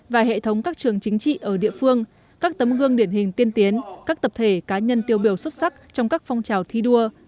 và hệ thống các trường chính trị ở địa phương các tấm gương điển hình tiên tiến các tập thể cá nhân tiêu biểu xuất sắc trong các phong trào thi đua